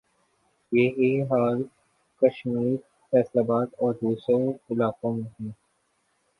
یہ ہی حال کشمیر، فیصل آباد اور دوسرے علاقوں میں ھے